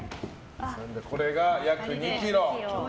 これが約２ｋｇ。